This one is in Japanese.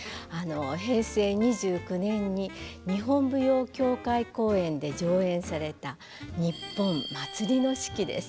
平成２９年に日本舞踊協会公演で上演された「にっぽん−まつりの四季−」です。